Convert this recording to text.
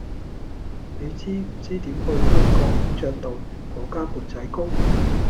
你知唔知點去北角孔雀道嗰間缽仔糕